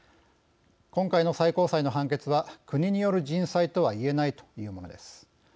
今回の最高裁の判決は国による人災とはいえないというものです。